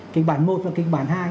kịch bản một và kịch bản hai